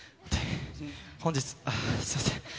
本日、すみません。